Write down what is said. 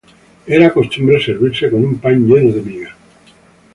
Era costumbre servirse con un pan lleno de miga.